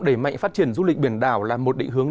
đẩy mạnh phát triển du lịch biển đảo là một định hướng